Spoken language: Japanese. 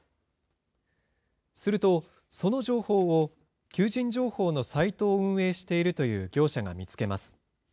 すると、その情報を求人情報のサイトを運営しているという業者が見つけます。